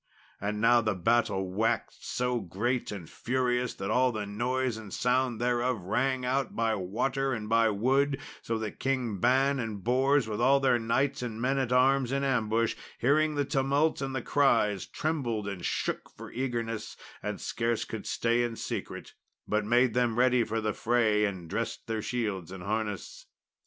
And now the battle waxed so great and furious that all the noise and sound thereof rang out by water and by wood, so that Kings Ban and Bors, with all their knights and men at arms in ambush, hearing the tumult and the cries, trembled and shook for eagerness, and scarce could stay in secret, but made them ready for the fray and dressed their shields and harness.